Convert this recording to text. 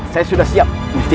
saya sudah siap